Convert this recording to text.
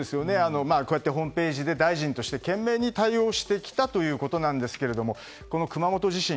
こうやってホームページで大臣として懸命に対応してきたということですが熊本地震